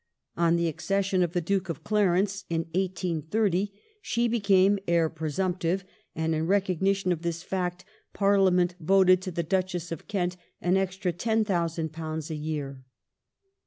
On the accession of the Duke of Clarence (1830) she became heir presumptive, and in recognition of this fact Par liament voted to the Duchess of Kent an extra £10,000 a year.